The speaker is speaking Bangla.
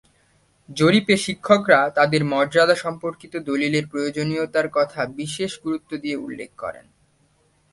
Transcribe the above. জরিপে শিক্ষকরা তাদের মর্যাদা সম্পর্কিত দলিলের প্রয়োজনীয়তার কথা বিশেষ গুরুত্ব দিয়ে উল্লেখ করেন।